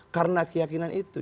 karena keyakinan itu